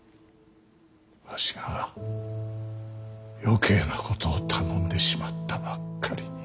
わしが余計なことを頼んでしまったばっかりに。